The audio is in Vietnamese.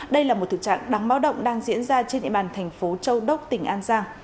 đây là một thực trạng đáng báo động đang diễn ra trên địa bàn thành phố châu đốc tỉnh an giang